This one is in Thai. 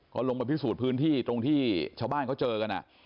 ก็ลงไปพิสูจน์พื้นที่ตรงที่ชาวบ้านเขาเจอกัน